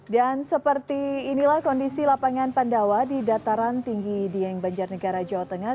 dan seperti inilah kondisi lapangan pandawa di dataran tinggi dieng banjar negara jawa tengah